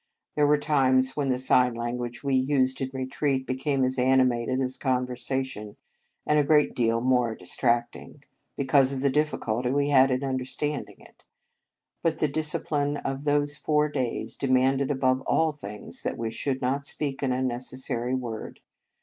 There were times when the sign lan guage we used in retreat became as animated as conversation, and a great deal more distracting, because of the difficulty we had in understanding it; but the discipline of those four days demanded above all things that we should not speak an unnecessary word.